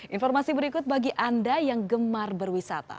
informasi berikut bagi anda yang gemar berwisata